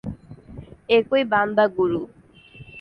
একই বান্দা, গুরু!